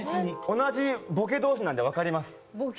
同じボケ同士なんで分かります。